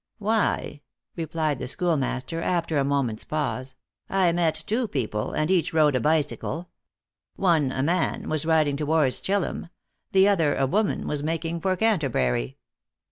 "Why," replied the schoolmaster after a moment's pause, "I met two people, and each rode a bicycle. One, a man, was riding towards Chillum; the other, a woman, was making for Canterbury."